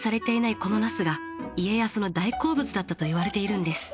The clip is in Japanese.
このナスが家康の大好物だったといわれているんです。